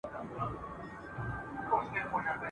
د خان زوی وسو په کلي کي ښادي سوه `